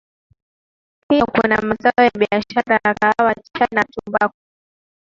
Pia kuna mazao ya biashara ya Kahawa Chai na Tumbaku